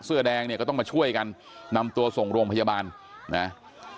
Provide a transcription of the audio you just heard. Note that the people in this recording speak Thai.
เสื้อแดงเนี่ยก็ต้องมาช่วยกันนำตัวส่งโรงพยาบาลนะ